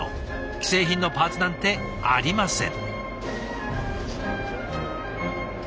既製品のパーツなんてありません。